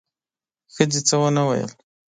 ښځې څه ونه ویل: